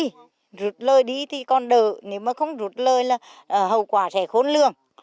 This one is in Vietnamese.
nếu mà rút lời đi thì còn đợi nếu mà không rút lời là hậu quả sẽ khốn lương